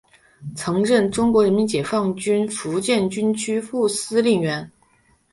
曾任中国人民解放军福建军区副司令员。